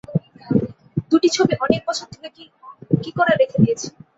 দুটি ছবি অনেক বছর ধরে কি করে রেখে দিয়েছি?